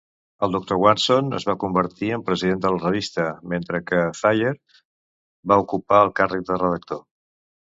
El doctor Watson es va convertir en president de la revista mentre que Thayer va ocupar el càrrec de redactor.